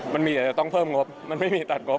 มันมีแต่จะต้องเพิ่มงบมันไม่มีตัดงบ